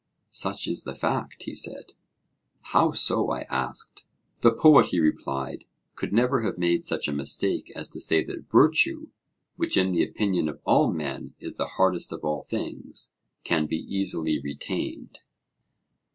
Such is the fact, he said. How so? I asked. The poet, he replied, could never have made such a mistake as to say that virtue, which in the opinion of all men is the hardest of all things, can be easily retained.